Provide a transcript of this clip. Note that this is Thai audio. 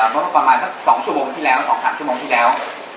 เมื่อประมาณสัก๒ชั่วโมงที่แล้ว